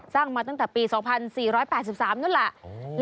มาตั้งแต่ปี๒๔๘๓นู้นแหละ